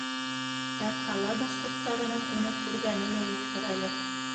Ә ҡала башҡорттарының уны күргәне лә юҡтыр әле.